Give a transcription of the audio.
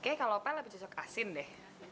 kayaknya kalau pan lebih cocok asin deh